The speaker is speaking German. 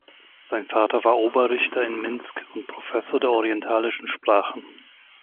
Sein Vater war Oberrichter in Minsk und Professor der orientalischen Sprachen.